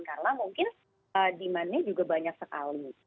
karena mungkin demandnya juga banyak sekali